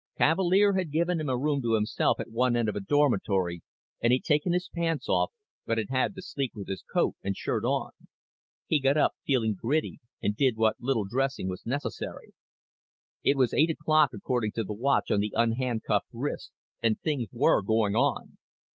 Cavalier had given him a room to himself at one end of a dormitory and he'd taken his pants off but had had to sleep with his coat and shirt on. He got up, feeling gritty, and did what little dressing was necessary. It was eight o'clock, according to the watch on the unhandcuffed wrist, and things were going on.